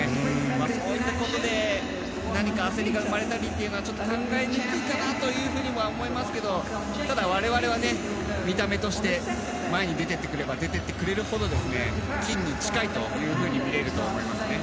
そういったことで何か焦りが生まれたりというのはちょっと考えにくいかなとは思いますけどただ我々は、見た目として前に出てってくれれば出てってくれるほど金に近いというふうに見れると思いますね。